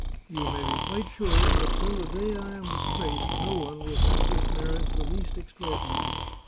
You may be quite sure that till the day I am disgraced no one will think this marriage the least ex traordinary.